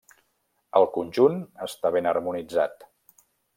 El conjunt està ben harmonitzat.